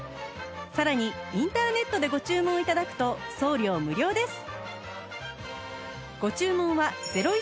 さらにインターネットでご注文頂くと送料無料です